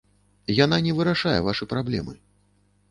Яна не вырашае вашы праблемы!